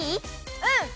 うん！